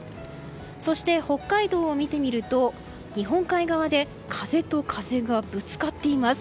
そして、北海道を見てみると日本海側で風と風がぶつかっています。